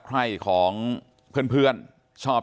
สวัสดีครับ